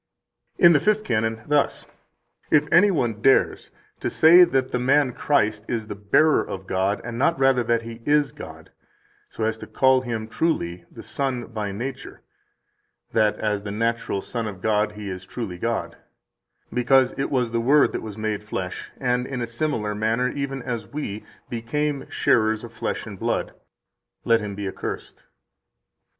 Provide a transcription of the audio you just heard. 5 In the fifth canon, thus: "If any one dares to say that the man Christ is the Bearer of God, and not rather that He is God, so as to call Him truly the Son by nature [that as the natural Son of God He is truly God], because it was the Word that was made flesh, and, in a similar manner [even] as we, became sharers of flesh and blood, let him be accursed."